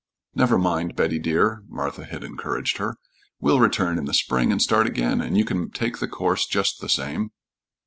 "Never mind, Betty, dear," Martha had encouraged her. "We'll return in the spring and start again, and you can take the course just the same."